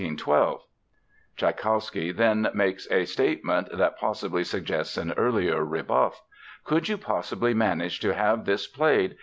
'" Tschaikowsky then makes a statement that possibly suggests an earlier rebuff: "Could you possibly manage to have this played?